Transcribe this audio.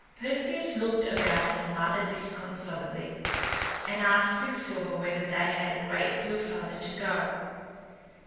Perseus looked about him rather disconsolately and asked Quicksilver whether they had a great deal farther to go.